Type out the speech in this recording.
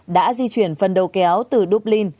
đã di chuyển phần đầu kéo từ dublin